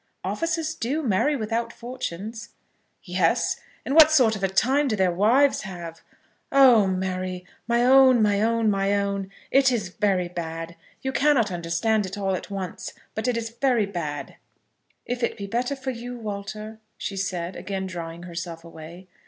"Officers do marry without fortunes." "Yes; and what sort of a time do their wives have? Oh, Mary, my own, my own, my own! it is very bad! You cannot understand it all at once, but it is very bad." "If it be better for you, Walter, " she said, again drawing herself away.